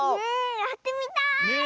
やってみたい！